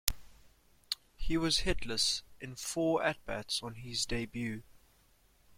He was hitless in four at-bats on his debut.